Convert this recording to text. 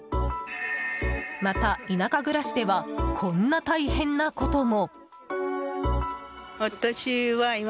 また、田舎暮らしではこんな大変なことも。